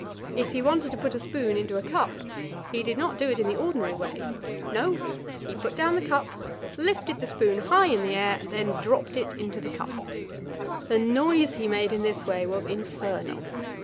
If he wanted to put a spoon into a cup, he did not do it in the ordinary way; no, he put down the cup, lifted the spoon high in the air, and then dropped it into the cup. The noise he made in this way was infernal.